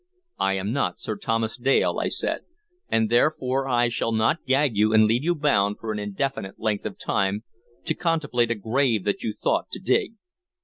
"I am not Sir Thomas Dale," I said, "and therefore I shall not gag you and leave you bound for an indefinite length of time, to contemplate a grave that you thought to dig.